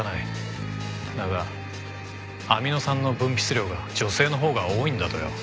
だがアミノ酸の分泌量が女性のほうが多いんだとよ。